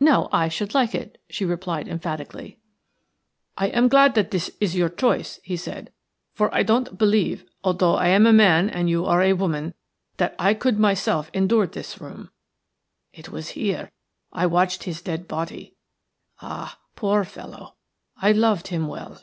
"No, I should like it," she replied, emphatically. "I am glad that this is your choice," he said, "for I don't believe, although I am a man and you are a woman, that I could myself endure this room. It was here I watched by his dead body. Ah, poor fellow, I loved him well."